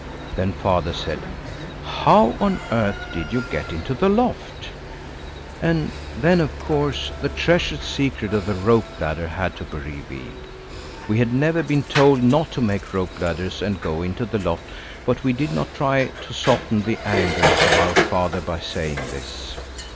Then Father said, "How on earth did you get into the loft?" And then of course the treasured secret of the rope ladder had to be revealed. We had never been told not to make rope ladders and go into the loft, but we did not try to soften the anger of our Father by saying this.